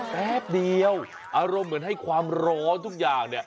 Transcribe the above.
แป๊บเดียวอารมณ์เหมือนให้ความร้อนทุกอย่างเนี่ย